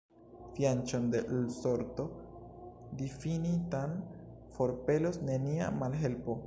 Fianĉon de l' sorto difinitan forpelos nenia malhelpo.